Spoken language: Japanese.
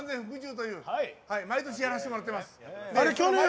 毎年やらせてもらってます。